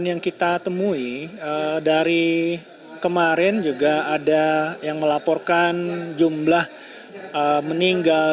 yang kita temui dari kemarin juga ada yang melaporkan jumlah meninggal